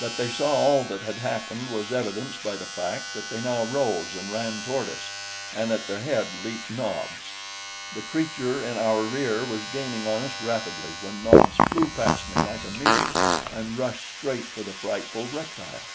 That they saw all that had happened was evidenced by the fact that they now rose and ran toward us, and at their head leaped Nobs. The creature in our rear was gaining on us rapidly when Nobs flew past me like a meteor and rushed straight for the frightful reptile.